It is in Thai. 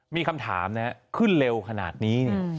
มีคำถามนะขึ้นเร็วขนาดนี้